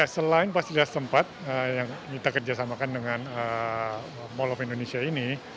selain pas tidak sempat yang kita kerjasamakan dengan mall of indonesia ini